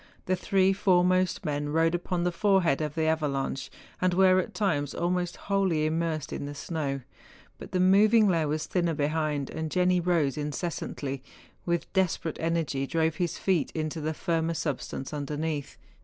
The three foremost men rode upon the forehead of the avalanche, and were at times almost wholly immersed in the snow; but the moving layer was thinner behind, and Jenni rose incessantly, and with despe¬ rate energy drove his feet into the firmer substance underneath.